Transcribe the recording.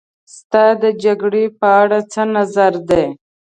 ستاسې د جګړې په اړه څه نظر دی.